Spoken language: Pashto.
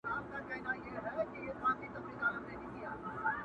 یو يې زوی وو په کهاله کي نازولی!